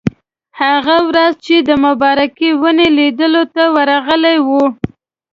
هغه ورځ چې د مبارکې ونې لیدلو ته ورغلي وو.